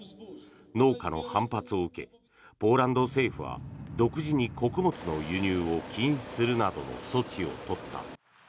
農家の反発を受けポーランド政府は独自に穀物の輸入を禁止するなどの措置を取った。